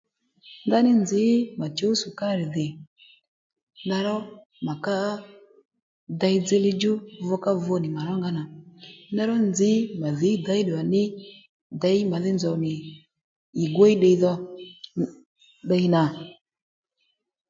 Ndaní nzǐ mà chǔw sukari dhì ndaró mà ká dey dziylíy djú vukavu nì mà rónga nà ndeyró nzǐ mà dhǐ dèy ddùwà ní děy màdhí nzòw nì ì gwíy ddiydho ddiy nà